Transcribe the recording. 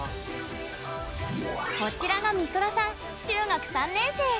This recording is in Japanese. こちらが、みそらさん中学３年生。